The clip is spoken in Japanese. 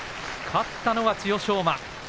勝ったのは千代翔馬。